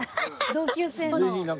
同級生の。